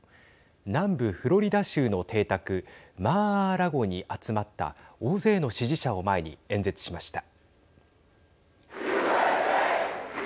南部フロリダ州の邸宅マー・アー・ラゴに集まった大勢の支持者を前に演説しました。